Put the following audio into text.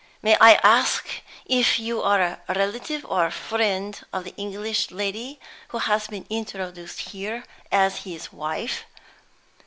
"May I ask if you are a relative or friend of the English lady who has been introduced here as his wife?"